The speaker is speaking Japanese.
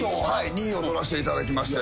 ２位を取らしていただきまして。